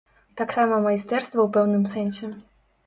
Таксама майстэрства ў пэўным сэнсе.